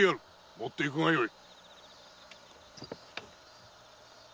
持ってゆくがよい。